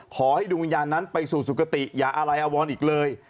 ขอให้ดวงวิญญาณนั้นไปสู่สุขติอย่าอะไรอวรอีกเลย